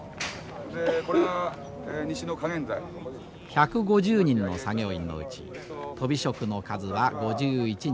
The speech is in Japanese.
１５０人の作業員のうちとび職の数は５１人。